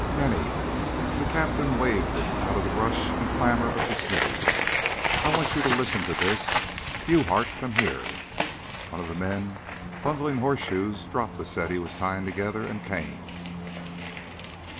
"Rennie" the captain waved him out of the rush and clamor of the smithy "I want you to listen to this. You Hart come here!" One of the men bundling horseshoes dropped the set he was tying together and came.